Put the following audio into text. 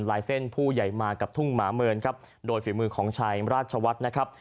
ลายเส้นผู้ใหญ่มากับทุ่งหมาเมินครับโดยฝีมือของชายราชวัฒน์นะครับ